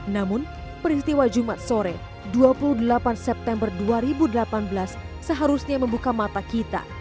namun peristiwa jumat sore dua puluh delapan september dua ribu delapan belas seharusnya membuka mata kita